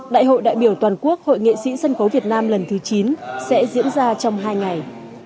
đại hội đại biểu toàn quốc hội nghệ sĩ sân khấu việt nam lần thứ chín sẽ diễn ra trong hai ngày